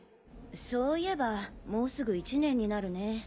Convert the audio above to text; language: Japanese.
そういえばもうすぐ１年になるね。